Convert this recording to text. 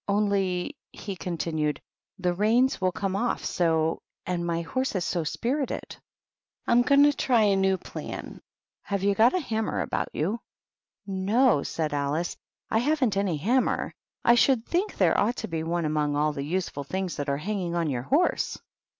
"Only," he continued, "the reias will come off 80, and my horse is so spirited; I'm going to try a new plan. Have you got a ham mer about you?" THE WHITE KNIGHT. 105 "No," said Alice, "I haven't any hammer. I should think there ought to be one among all the useful things that are hanging on your horse."